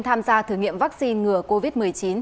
tham gia thử nghiệm vaccine ngừa covid một mươi chín